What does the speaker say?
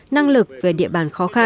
năng lực về địa bàn khó khăn